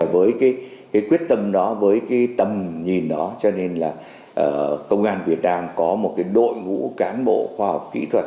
với cái quyết tâm đó với cái tầm nhìn đó cho nên là công an việt nam có một cái đội ngũ cán bộ khoa học kỹ thuật